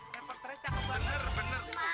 kopernya cakep banget